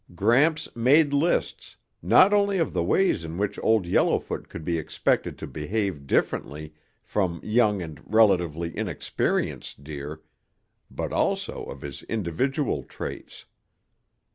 Gramps made lists, not only of the ways in which Old Yellowfoot could be expected to behave differently from young and relatively inexperienced deer, but also of his individual traits.